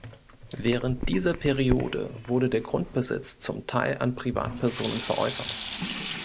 Während dieser Periode wurde der Grundbesitz zum Teil an Privatpersonen veräußert.